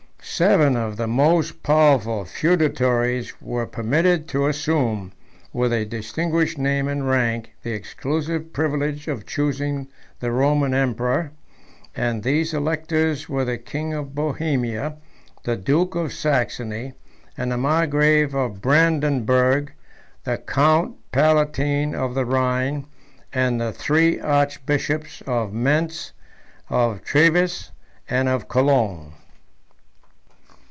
I. Seven of the most powerful feudatories were permitted to assume, with a distinguished name and rank, the exclusive privilege of choosing the Roman emperor; and these electors were the king of Bohemia, the duke of Saxony, the margrave of Brandenburgh, the count palatine of the Rhine, and the three archbishops of Mentz, of Treves, and of Cologne.